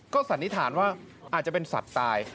สันนิษฐานว่าอาจจะเป็นสัตว์ตาย